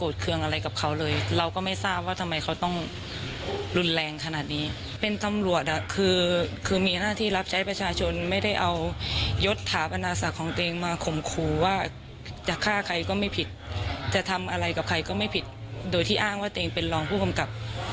โดยที่อ้างว่าตัวเองเป็นรองผู้กำกับ